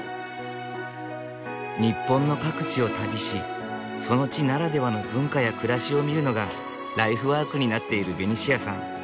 日本の各地を旅しその地ならではの文化や暮らしを見るのがライフワークになっているベニシアさん。